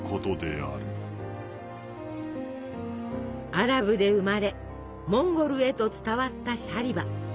アラブで生まれモンゴルへと伝わったシャリバ。